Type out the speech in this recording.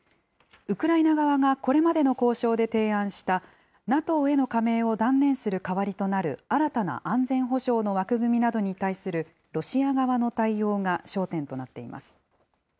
ウクライナ側がこれまでの交渉で提案した、ＮＡＴＯへの加盟を断念する代わりとなる、新たな安全保障の枠組みなどに対するロシア側の対応が焦点となっています。